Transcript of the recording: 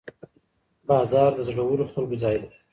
بازار د زړورو خلکو ځای دی.